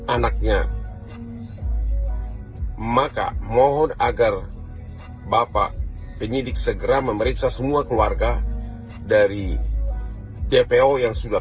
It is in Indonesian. anaknya maka mohon agar bapak penyidik segera memeriksa semua keluarga dari dpo yang sudah